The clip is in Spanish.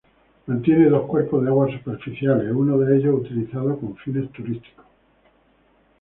Mantiene dos cuerpos de agua superficial, uno de ellos utilizado con fines turísticos.